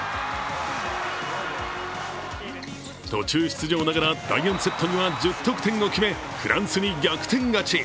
途中出場ながら、第４セットには１０得点を決めフランスに逆転勝ち。